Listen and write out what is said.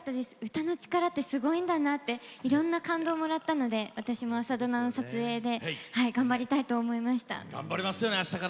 歌の力ってすごいんだなっていろんな感動をもらったので私も朝ドラの撮影を頑張りたいと思いました。